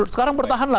sekarang bertahan lah